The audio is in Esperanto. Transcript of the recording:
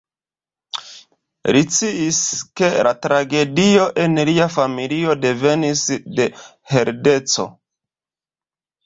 Li sciis, ke la tragedio en lia familio devenis de heredeco.